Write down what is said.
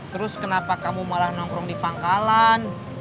terus kenapa kamu malah nongkrong di pangkalan